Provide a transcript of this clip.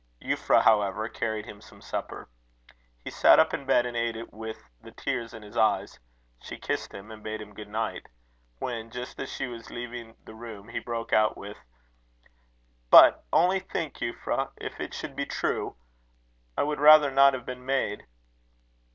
Euphra, however, carried him some supper. He sat up in bed and ate it with the tears in his eyes. She kissed him, and bade him good night; when, just as she was leaving the room, he broke out with: "But only think, Euphra, if it should be true! I would rather not have been made."